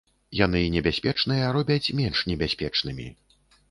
Яны небяспечныя робяць менш небяспечнымі.